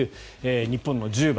日本の１０番。